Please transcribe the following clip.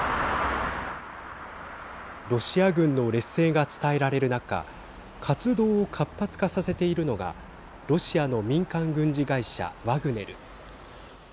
ロシア軍の劣勢が伝えられる中活動を活発化させているのがロシアの民間軍事会社ワグネル。